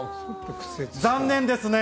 残念ですね。